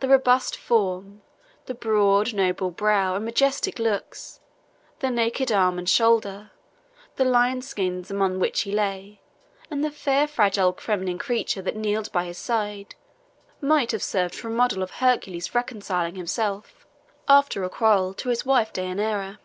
The robust form, the broad, noble brow and majestic looks, the naked arm and shoulder, the lions' skins among which he lay, and the fair, fragile feminine creature that kneeled by his side, might have served for a model of Hercules reconciling himself, after a quarrel, to his wife Dejanira.